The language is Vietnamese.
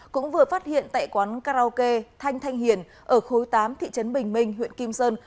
cũng vừa phát hiện tại quán karaoke thanh hiền ở khối tám thị trấn bình minh huyện kim sơn